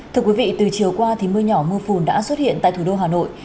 thưa quý vị từ chiều qua thì mưa nhỏ mưa phùn đã xuất hiện tại thủ đô hà nội